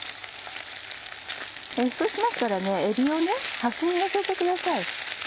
そうしましたらえびを端に寄せてください。